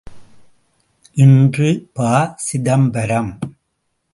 இன்று ப.சிதம்பரம்!